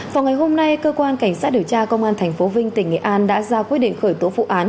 vào ngày hôm nay cơ quan cảnh sát điều tra công an tp vinh tỉnh nghệ an đã ra quyết định khởi tố vụ án